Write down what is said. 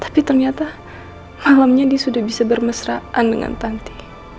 tapi ternyata alamnya dia sudah bisa bermesraan dengan tanti